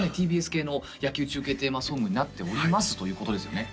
ＴＢＳ系の野球中継テーマソングになっておりますということですよね